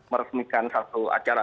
meresmikan satu acara